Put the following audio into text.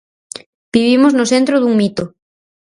Vivimos no centro dun mito.